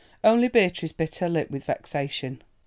Only Beatrice bit her lip with vexation.